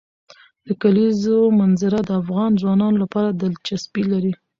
د کلیزو منظره د افغان ځوانانو لپاره دلچسپي لري.